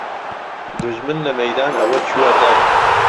دوژمن له مهیدان ئهوه چووه دەر